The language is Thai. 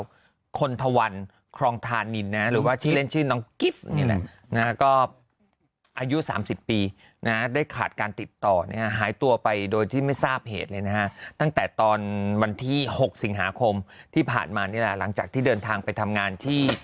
คนทวันครองธานินนะหรือว่าชื่อเล่นชื่อน้องกิฟต์เนี่ยนะก็อายุ๓๐ปีนะได้ขาดการติดต่อเนี่ยหายตัวไปโดยที่ไม่ทราบเหตุเลยนะฮะตั้งแต่ตอนวันที่๖สิงหาคมที่ผ่านมานี่แหละหลังจากที่เดินทางไปทำงานที่